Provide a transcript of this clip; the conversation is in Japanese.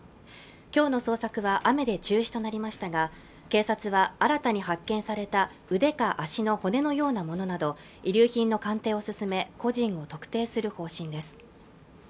今日の捜索は雨で中止となりましたが警察は新たに発見された腕か足の骨のようなものなど遺留品の鑑定を進め個人を特定する方針です